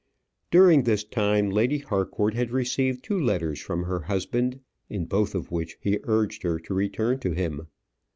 During this time Lady Harcourt had received two letters from her husband, in both of which he urged her to return to him.